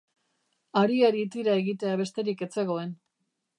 Hariari tira egitea besterik ez zegoen.